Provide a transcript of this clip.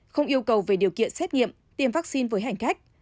không yêu cầu về điều kiện xét nghiệm tiêm vaccine với hành khách